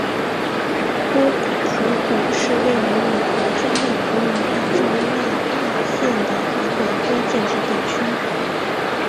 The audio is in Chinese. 波普谷是位于美国加利福尼亚州纳帕县的一个非建制地区。